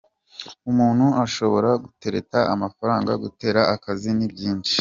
Umuntu ashobora gutereta amafaranga, gutereta akazi, ni byinshi.